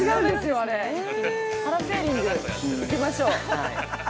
あれ、パラセーリング、行きましょう。